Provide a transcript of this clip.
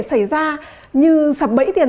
xảy ra như sập bẫy tiền